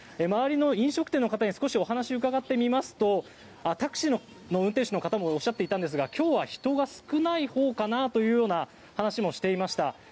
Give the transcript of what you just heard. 周りの飲食店の方にお話を伺ってみますとタクシーの運転手の方もおっしゃっていたんですが今日は人が少ないほうかなというような話もしていました。